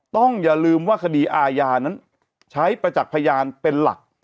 อย่าลืมว่าคดีอาญานั้นใช้ประจักษ์พยานเป็นหลัก